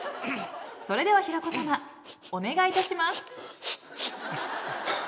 それでは平子さまお願いいたします。